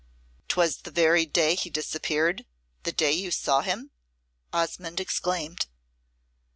"'Twas the very day he disappeared the day you saw him?" Osmonde exclaimed.